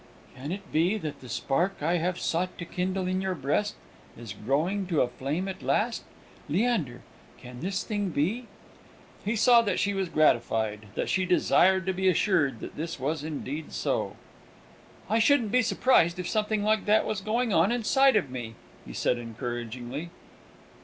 "Can it be, that the spark I have sought to kindle in your breast is growing to a flame at last? Leander, can this thing be?" He saw that she was gratified, that she desired to be assured that this was indeed so. "I shouldn't be surprised if something like that was going on inside of me," he said encouragingly.